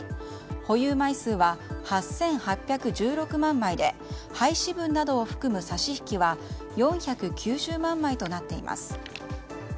保有枚数は８８１６万枚で廃止分などを含む差し引きは４９０万枚となっています。